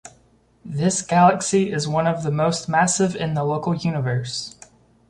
This galaxy is one of the most massive in the local Universe.